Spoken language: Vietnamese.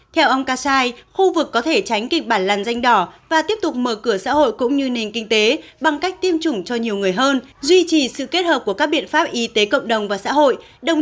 theo ông kassai khu vực có thể tránh kịch bản làn danh đỏ và tiếp tục mở cửa xã hội cũng như nền kinh tế bằng cách tiêm chủng cho nhiều người hơn duy trì sự kết hợp của các biện pháp y tế cộng đồng và xã hội